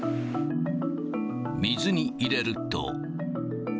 水に入れると。